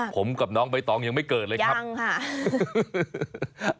ผมกับน้องใบตองยังไม่เกิดเลยครับยังค่ะ